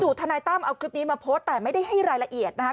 ทนายตั้มเอาคลิปนี้มาโพสต์แต่ไม่ได้ให้รายละเอียดนะคะ